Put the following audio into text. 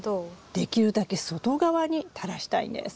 できるだけ外側に垂らしたいんです。